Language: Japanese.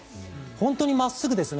本当に真っすぐですね。